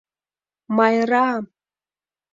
Майра-а-а!..»